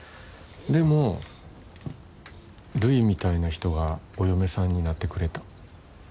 でもるいみたいな人がお嫁さんになってくれた。